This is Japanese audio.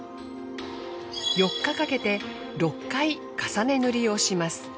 ４日かけて６回重ね塗りをします。